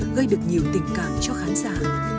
gây được nhiều tình cảm cho khán giả